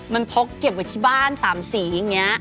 มันพกเก็บไว้ที่บ้าน๓สีอย่างนี้